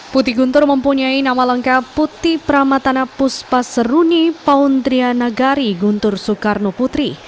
putih guntur mempunyai nama lengkap putih pramatana puspaseruni paundriya nagari guntur soekarno putri